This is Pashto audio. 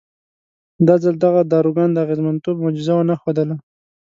دا ځل دغه داروګان د اغېزمنتوب معجزه ونه ښودله.